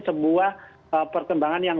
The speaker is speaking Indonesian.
sebuah perkembangan yang